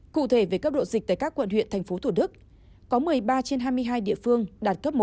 cụ thể về cấp độ dịch tại các quận huyện tp hcm có một mươi ba trên hai mươi hai địa phương đạt cấp một